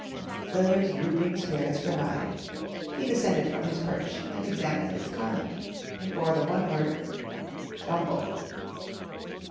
William's drooping spirits revived. He descended from his perch and examined its collar. It bore the one word "Jumble."